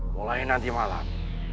mulai nanti malam